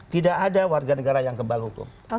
tidak ada warga negara yang kebal hukum